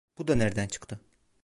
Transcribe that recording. Bu da nereden çıktı?